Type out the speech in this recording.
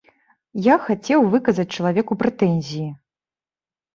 Я хацеў выказаць чалавеку прэтэнзіі.